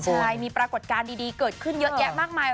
ใช่มีปรากฏการณ์ดีเกิดขึ้นเยอะแยะมากมาย